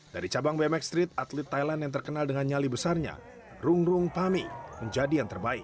dari cabang bmx street atlet thailand yang terkenal dengan nyali besarnya rung rung pami menjadi yang terbaik